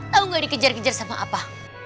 tau nggak dikejar kejar sama apa